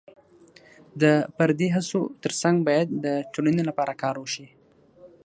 د فردي هڅو ترڅنګ باید د ټولنې لپاره کار وشي.